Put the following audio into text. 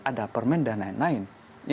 ada permen dan lain lain